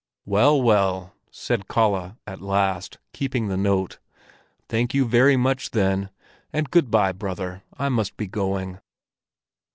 "Well, well!" said Kalle at last, keeping the note; "thank you very much, then! And good bye, brother! I must be going."